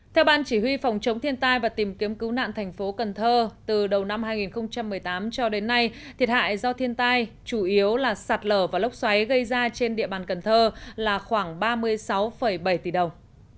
theo ban chỉ huy phòng chống thiên tai và tìm kiếm cứu nạn thành phố cần thơ từ đầu năm hai nghìn một mươi tám cho đến nay thiệt hại do thiên tai chủ yếu là sạt lở và lốc xoáy gây ra trên địa bàn cần thơ là khoảng ba mươi sáu bảy tỷ đồng